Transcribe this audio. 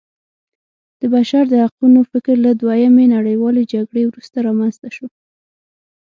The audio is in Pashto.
د بشر د حقونو فکر له دویمې نړیوالې جګړې وروسته رامنځته شو.